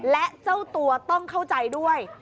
และเจ้าตัวต้องเข้าใจด้วย